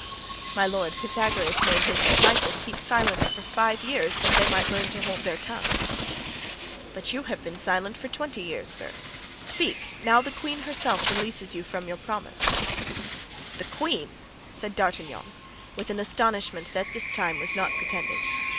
"My lord, Pythagoras made his disciples keep silence for five years that they might learn to hold their tongues." "But you have been silent for twenty years, sir. Speak, now the queen herself releases you from your promise." "The queen!" said D'Artagnan, with an astonishment which this time was not pretended.